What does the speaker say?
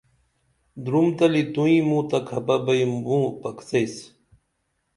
دُرُمتلی توئیں موں تہ کھپہ بئی موں پکسیس